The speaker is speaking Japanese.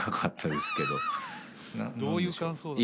どういう感想だ。